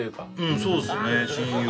うんそうですね。